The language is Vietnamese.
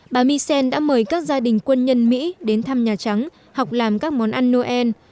bà michel đã mời các gia đình quân nhân mỹ đến thăm nhà trắng học làm các món ăn noel